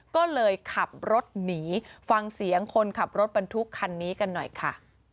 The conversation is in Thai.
ก็เลยขับรถหนีฟังเสียงคนขับรถบรรทุกคันนี้กันหน่อยค่ะ